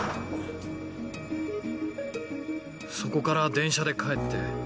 そこから電車で帰って。